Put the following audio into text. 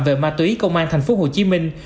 về ma túy công an thành phố hồ chí minh